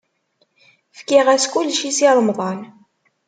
Fkiɣ-as kullec i Si Remḍan.